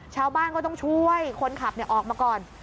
ชาวบ้านก็ต้องช่วยคนขับออกมาก่อน